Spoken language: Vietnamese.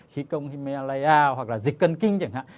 khí công himella hoặc là dịch cân kinh chẳng hạn